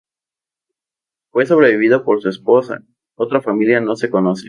Fue sobrevivido por su esposa; otra familia no se conoce.